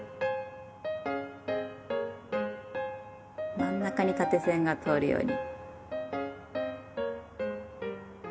真ん中に縦線が通るように。